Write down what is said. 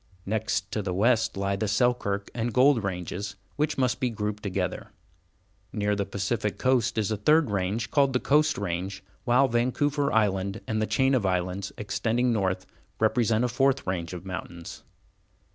Next to the west lie the Selkirk and Gold ranges, which must be grouped together. Near the Pacific Coast is a third range called the Coast Range, while Vancouver Island and the chain of islands extending north represent a fourth range of mountains.